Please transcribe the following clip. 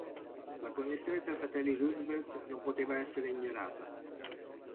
La connessione tra i fratelli Roosevelt non poteva essere ignorata.